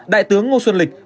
đại tướng ngô xuân lịch